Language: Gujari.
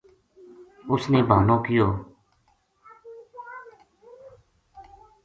اس نے بہانو کیو